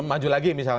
maju lagi misalnya